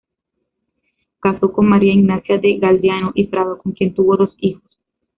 Casó con María Ignacia de Galdeano y Prado, con quien tuvo dos hijos.